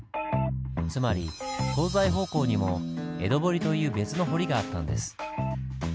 つまり東西方向にも江戸堀という別の堀があったんです。